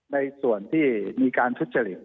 ในส่วนที่มีการทุจริต